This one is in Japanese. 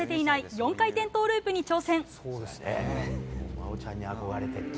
４回転トウループに挑戦。